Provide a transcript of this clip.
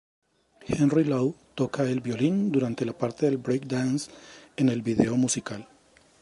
Henry Lau toca el violín durante la parte de Breakdance en el video musical.